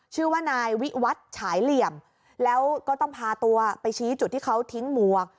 ชื่อว่านายวิวัตรฉายเหลี่ยมแล้วก็ต้องพาตัวไปชี้จุดที่เขาทิ้งหมวก